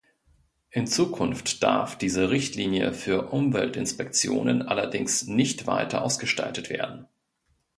In Zukunft darf diese Richtlinie für Umweltinspektionen allerdings nicht weiter ausgestaltet werden.